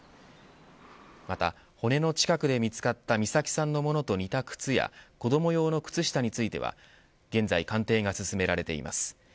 また骨の近くで見つかった美咲さんのものと似た靴や子ども用の靴下については現在鑑定が進められています。